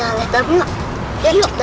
makasih temanmu yang discion